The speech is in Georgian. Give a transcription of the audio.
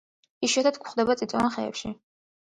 იშვიათად გვხვდება წიწვოვან ხეებზე.